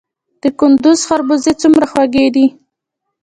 د کندز خربوزې څومره خوږې دي؟